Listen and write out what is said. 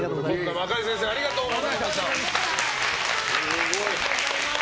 赤井先生ありがとうございました。